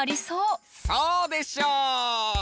そうでしょう！